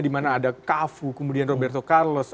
dimana ada cafu kemudian roberto carlos